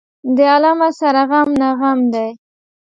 د عالمه سره غم نه غم دى.